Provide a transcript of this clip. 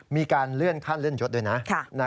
มีการเลื่อนขั้นเลื่อนยศด้วยนะ